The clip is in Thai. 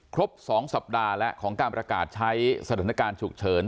ครบ๒สัปดาห์แล้วของการประกาศใช้สถานการณ์ฉุกเฉิน